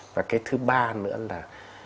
và cái thứ ba nữa là